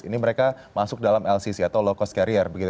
ini mereka masuk dalam lcc atau low cost carrier